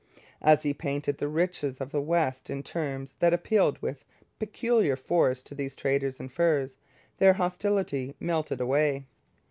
As he painted the riches of the West in terms that appealed with peculiar force to these traders in furs, their hostility melted away.